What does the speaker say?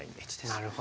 なるほど。